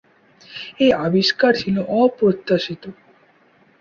এই আবিষ্কার ছিল অপ্রত্যাশিত।